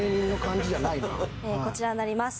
こちらになります。